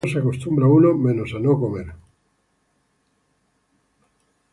A todo se acostumbra uno menos a no comer.